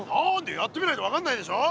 やってみないと分かんないでしょ。